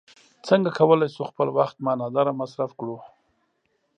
څنګه کولی شو خپل وخت معنا داره مصرف کړو.